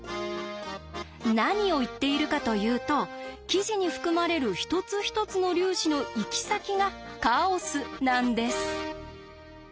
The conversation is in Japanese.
何を言っているかというと生地に含まれる一つ一つの粒子の行き先がカオスなんです。